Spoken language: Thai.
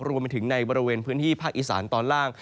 รวมไปถึงในบริเวณพื้นที่ภาคอีสานตอนล่าง